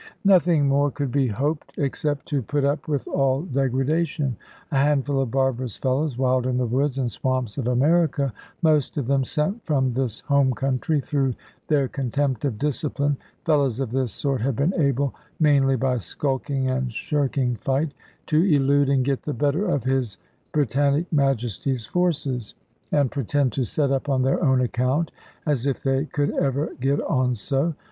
Nothing more could be hoped except to put up with all degradation. A handful of barbarous fellows, wild in the woods and swamps of America, most of them sent from this home country through their contempt of discipline, fellows of this sort had been able (mainly by skulking and shirking fight) to elude and get the better of His Britannic Majesty's forces, and pretend to set up on their own account, as if they could ever get on so.